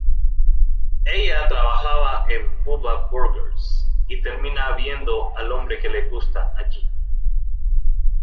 Ella trabaja en "Bubba Burgers" y termina viendo al hombre que le gusta allí.